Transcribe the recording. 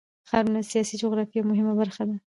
ښارونه د سیاسي جغرافیه یوه مهمه برخه ده.